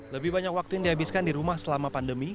lebih banyak waktu yang dihabiskan di rumah selama pandemi